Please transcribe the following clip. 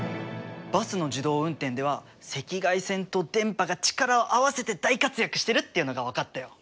バスの自動運転では赤外線と電波が力を合わせて大活躍してるっていうのが分かったよ！